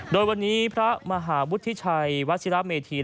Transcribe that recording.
โดยวันนี้พระมหาวุฒิชัยวัชิระเมธี